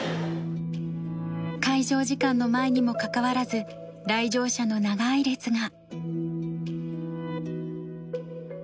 開場時間の前にもかかわらず来場者の長い列が。